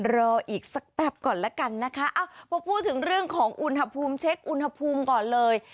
รออีกสักแป๊บก่อนแล้วกันนะคะพอพูดถึงเรื่องของอุณหภูมิเช็คอุณหภูมิก่อนเลย